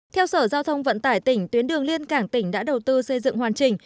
theo sở giao thông vận tải tỉnh tuyến đường liên cảng tỉnh đã đầu tư xây dựng hoàn chỉnh